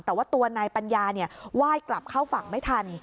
แต่ว่าตัวนายปัญญาไหว้กลับเข้าฝั่งไม่ทัน